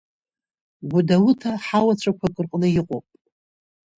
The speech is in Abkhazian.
Гәдоуҭаҳауацәақәак рҟны иҟоуп.